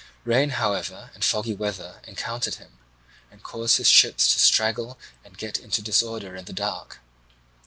Rain, however, and foggy weather encountered him, and caused his ships to straggle and get into disorder in the dark.